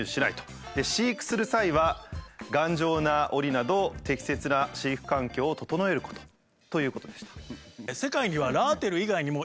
「飼育する際は頑丈なオリなど適切な飼育環境を整えること」ということでした。